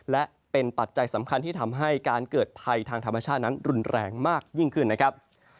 และเป็นปัจจัยสำคัญที่ทำให้การเกิดภัยทางธรรมชาตินั้นรุนแรงมากยิ่งขึ้นนะครับ